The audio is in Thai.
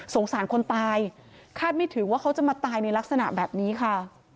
สารคนตายคาดไม่ถึงว่าเขาจะมาตายในลักษณะแบบนี้ค่ะ